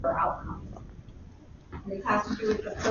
The term "van" may also refer to a minivan.